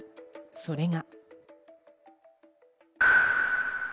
それが。